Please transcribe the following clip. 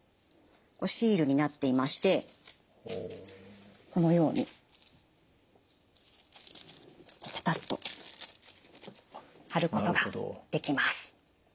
シールになっていましてこのようにペタッと貼ることができます。